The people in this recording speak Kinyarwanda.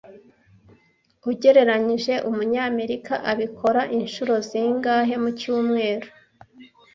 Ugereranyije Umunyamerika abikora inshuro zingahe mu cyumweru